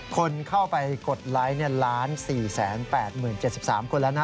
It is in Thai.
คนเข้าไปกดไลค์ล้านสี่แสนแปดหมื่นเจ็บสิบสามคนแล้วนะ